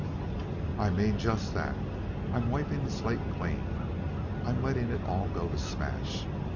"I mean just that. I'm wiping the slate clean. I'm letting it all go to smash.